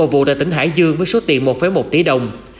một vụ tại tỉnh hải dương với số tiền một một tỷ đồng